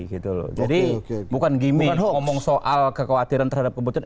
gitu loh jadi